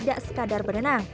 mereka tidak sekadar berenang